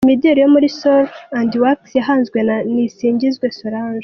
Imideli yo muri Sol&Wax-Yahanzwe na Nisingizwe Solange.